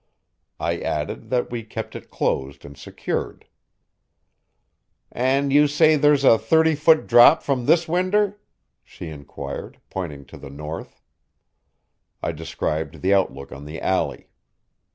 I added that we kept it closed and secured. "And you say there's a thirty foot drop from this winder?" she inquired, pointing to the north. I described the outlook on the alley.